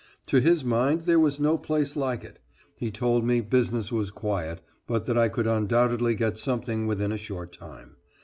To his mind there was no place like it. He told me business was quiet, but that I could undoubtedly get something within a short time.